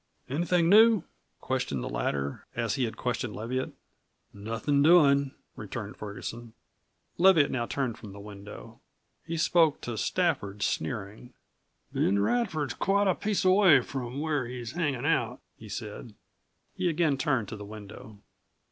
"Anything new?" questioned the latter, as he had questioned Leviatt. "Nothin' doin'," returned Ferguson. Leviatt now turned from the window. He spoke to Stafford, sneering. "Ben Radford's quite a piece away from where he's hangin' out," he said. He again turned to the window.